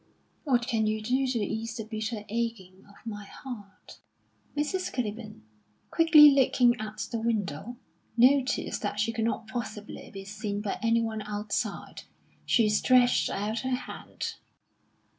"What can you do to ease the bitter aching of my heart?" Mrs. Clibborn, quickly looking at the window, noticed that she could not possibly be seen by anyone outside. She stretched out her hand.